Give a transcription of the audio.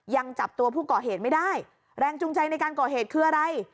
ยังจับตัวผู้ก่อเหตุไม่ได้แรงจูงใจในการก่อเหตุคืออะไร